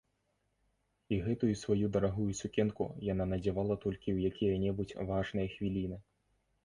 І гэтую сваю дарагую сукенку яна надзявала толькі ў якія-небудзь важныя хвіліны.